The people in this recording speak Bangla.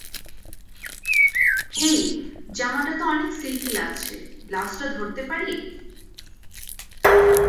হেই, জামাটা তো অনেক সিল্কি লাগছে, ব্লাউজটা ধরতে পারি?